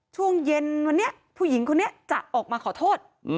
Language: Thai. ช่วงเย็นวันนี้ผู้หญิงคนนี้จะออกมาขอโทษ